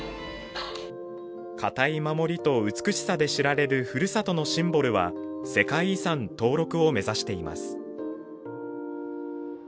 堅い守りと美しさで知られるふるさとのシンボルは世界遺産登録を目指しています。